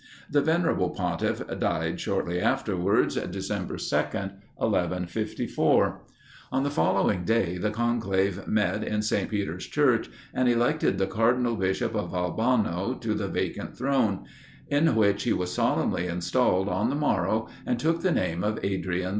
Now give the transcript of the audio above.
The venerable pontiff died shortly afterwards, December 2nd, 1154. On the following day the conclave met in St. Peter's church, and elected the cardinal bishop of Albano to the vacant throne; in which he was solemnly installed on the morrow, and took the name of Adrian IV.